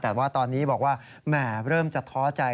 แต่ว่าตอนนี้บอกว่าแหม่เริ่มจะท้อใจ